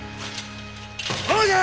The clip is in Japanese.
そうじゃ！